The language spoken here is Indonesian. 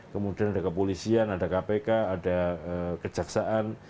kemudian ada kepolisian ada kpk ada kejaksaan